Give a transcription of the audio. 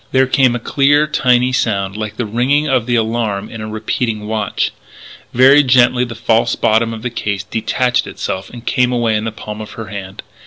There came a clear, tiny sound like the ringing of the alarm in a repeating watch. Very gently the false bottom of the case detached itself and came away in the palm of her hand.